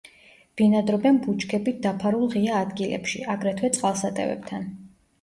ბინადრობენ ბუჩქებით დაფარულ ღია ადგილებში, აგრეთვე წყალსატევებთან.